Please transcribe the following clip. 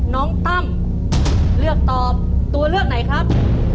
ตั้มเลือกตอบตัวเลือกไหนครับ